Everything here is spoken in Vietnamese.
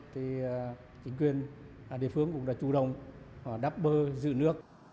thì chính quyền địa phương cũng đã chủ động đắp bơ dự nước